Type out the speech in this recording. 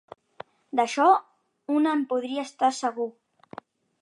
D'això un en podria estar segur.